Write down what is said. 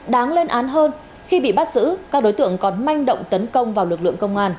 đáng lên án hơn khi bị bắt giữ các đối tượng còn manh động tấn công vào lực lượng công an